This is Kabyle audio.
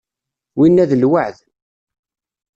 Winna d lweεd.